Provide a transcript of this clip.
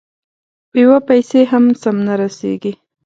په یوه پسې هم سم نه رسېږي،